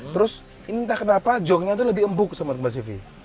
terus ini entah kenapa jognya tuh lebih empuk sobat kcv